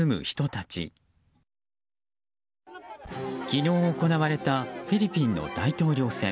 昨日行われたフィリピンの大統領選。